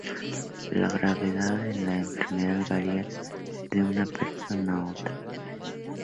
La gravedad de la enfermedad varía de una persona a otra.